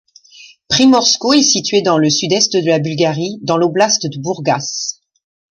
Primorsko est situé dans le sud-est de la Bulgarie, dans l'oblast de Bourgas.